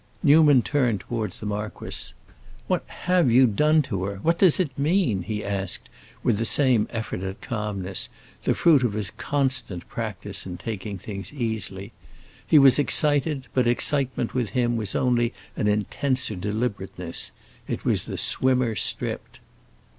Newman turned toward the marquis. "What have you done to her—what does it mean?" he asked with the same effort at calmness, the fruit of his constant practice in taking things easily. He was excited, but excitement with him was only an intenser deliberateness; it was the swimmer stripped.